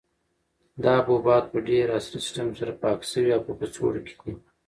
دا حبوبات په ډېر عصري سیسټم سره پاک شوي او په کڅوړو کې دي.